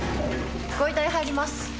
ご遺体入ります。